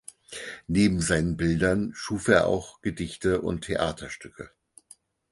Neben seinen Bildern schuf er auch Gedichte und Theaterstücke.